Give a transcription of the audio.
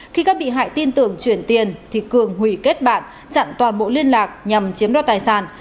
khi các bị hại tin tưởng chuyển tiền thì cường hủy kết bạn chặn toàn bộ liên lạc nhằm chiếm đoạt tài sản